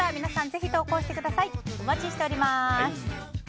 ぜひ投稿してください。